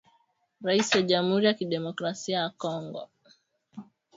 Raisi wa jamhuri ya kidemokrasia ya Kongo